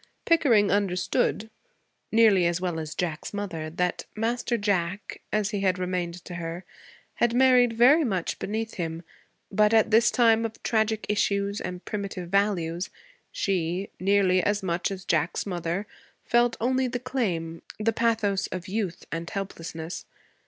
Pickering understood, nearly as well as Jack's mother, that Master Jack, as he had remained to her, had married very much beneath him; but at this time of tragic issues and primitive values, she, nearly as much as Jack's mother, felt only the claim, the pathos of youth and helplessness.